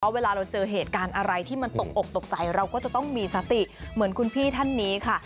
เวลาเราเจอเหตุการณ์อะไรที่มันตกอกตกใจเราก็จะต้องมีสติเหมือนคุณพี่ท่านนี้ค่ะ